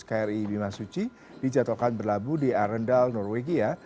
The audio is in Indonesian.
kri bimasuci dijadwalkan berlabuh di arendal norwegia